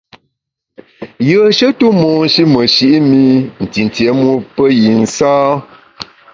Yùeshe tu monshi meshi’ mi ntintié mu pe yi nsâ.